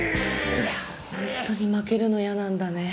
いやー、本当に負けるの嫌なんだね。